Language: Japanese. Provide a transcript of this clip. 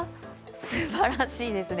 すばらしいですね。